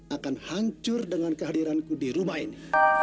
akan hancur dengan kehadiranku di rumah ini